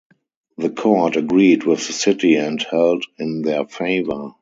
The Court agreed with the City and held in their favour.